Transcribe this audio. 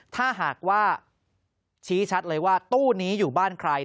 ถ้าหากว่าชี้ชัดเลยว่าตู้นี้อยู่บ้านใคร